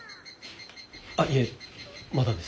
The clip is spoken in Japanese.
あっいえまだです。